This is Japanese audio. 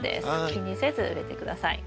気にせず植えて下さい。